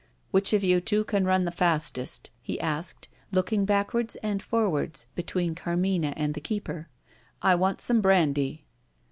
"Which of you two can run the fastest?" he asked, looking backwards and forwards between Carmina and the keeper. "I want some brandy."